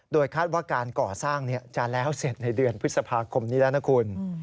โดยคาดว่าการก่อสร้างจะแล้วเสร็จในเดือนพฤษภาคมนี้แล้วนะคุณ